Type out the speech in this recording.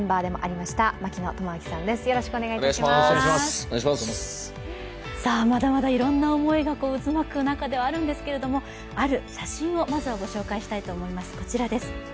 まだまだいろんな思いが渦巻く中ではあるんですけれどもある写真をまずはご紹介したいと思いますこちらです。